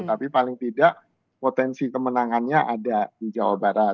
tapi paling tidak potensi kemenangannya ada di jawa barat